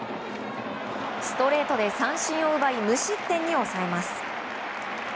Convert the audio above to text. ストレートで三振を奪い無失点に抑えます。